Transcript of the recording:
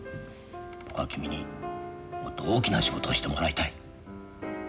僕は君にもっと大きな仕事をしてもらいたい。